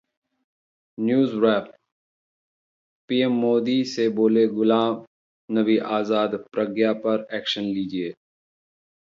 Newswrap: PM Modi से बोले गुलाम नबी आजाद- प्रज्ञा पर एक्शन लीजिए